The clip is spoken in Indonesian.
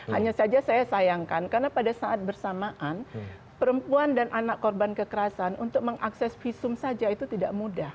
hanya saja saya sayangkan karena pada saat bersamaan perempuan dan anak korban kekerasan untuk mengakses visum saja itu tidak mudah